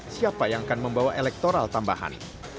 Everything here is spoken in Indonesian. siapa yang akan membawa elektoral tambahan